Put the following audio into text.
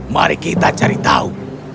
mari kita cari tahu